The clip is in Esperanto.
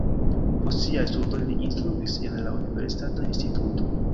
Post siaj studoj li instruis en la universitata instituto.